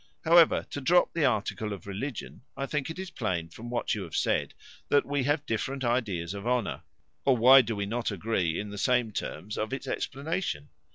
However, to drop the article of religion, I think it is plain, from what you have said, that we have different ideas of honour; or why do we not agree in the same terms of its explanation?